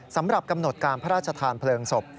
สำหรับกำหนดการพระราชทานเพลิงศพ